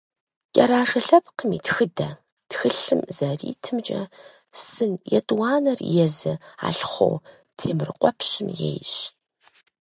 «КӀэрашэ лъэпкъым и тхыдэ» тхылъым зэритымкӀэ, сын етӀуанэр езы Алъхъо Темрыкъуэпщым ейщ.